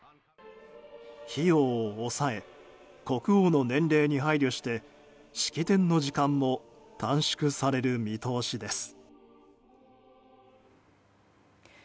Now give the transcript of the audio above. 費用を抑え国王の年齢に配慮して式典の時間も短縮される見通しです。